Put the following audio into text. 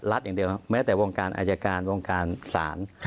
ปัญหามาขังซ้าย